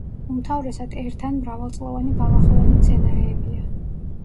უმთავრესად ერთ ან მრავალწლოვანი ბალახოვანი მცენარეებია.